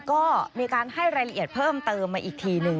ก็มีการให้รายละเอียดเพิ่มเติมมาอีกทีหนึ่ง